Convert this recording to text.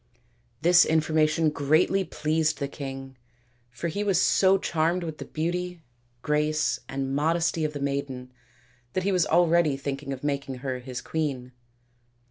This information greatly pleased the king, for he was so charmed with the beauty, grace, and modesty of the maiden that he was already thinking of making her his queen.